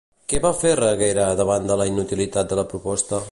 Què va fer Reguera davant de la inutilitat de la proposta?